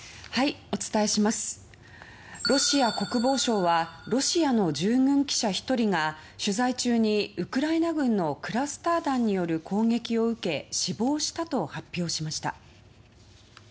ロシア国防省はロシアの従軍記者が取材中にウクライナ軍のクラスター弾の攻撃を受け死亡したと発表しました。